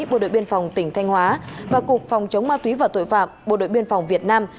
bộ đội biên phòng tỉnh thanh hóa và cục phòng chống ma túy và tội phạm bộ đội biên phòng việt nam